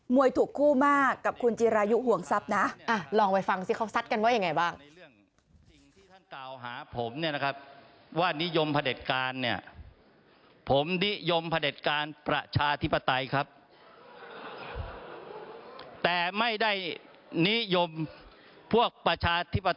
มวยถูกคู่มากกับคุณจิรายุห่วงทรัพย์นะ